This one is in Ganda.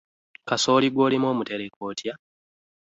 Kasooli gwolima omutereka otya?